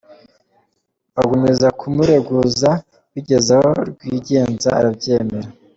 Bagumiriza kumureguza bigeze aho Rwigenza arabyemera.